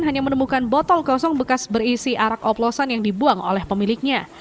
hanya menemukan botol kosong bekas berisi arak oplosan yang dibuang oleh pemiliknya